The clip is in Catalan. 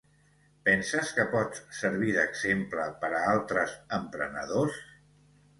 Penses que pots servir d'exemple per a altres emprenedors?